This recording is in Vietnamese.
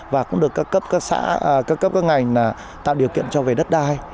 và cũng được các cấp các ngành tạo điều kiện cho về đất đai